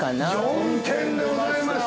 ◆４点でございます。